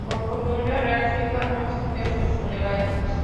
Por costumbre real, su hija no asistió a sus funerales.